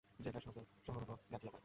জেলার সদর শহর হল গাজিয়াবাদ।